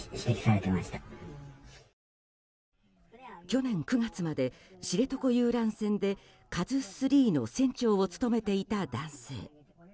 去年９月まで知床遊覧船で「ＫＡＺＵ３」の船長を務めていた男性。